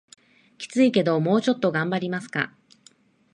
キツいけどもうちょっと頑張りますか